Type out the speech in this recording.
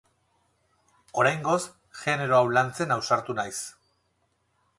Oraingoz, genero hau lantzen ausartu naiz.